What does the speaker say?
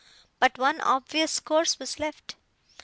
But one obvious course was left.